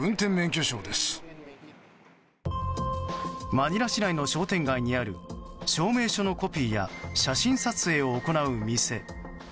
マニラ市内の商店街にある証明書のコピーや写真撮影を行う店。